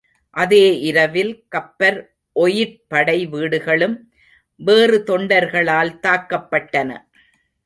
அதே இரவில் கப்பர் ஒயிட் படை வீடுகளும் வேறு தொண்டர்களால் தாக்கப்பட்டன.